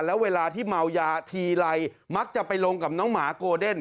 แล้วเวลาที่เมายาทีไรมักจะไปลงกับน้องหมาโกเดน